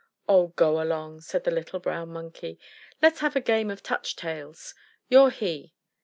"Oh, go along," said the little brown Monkey. "Let's have a game at Touch Tails. You're 'he'!"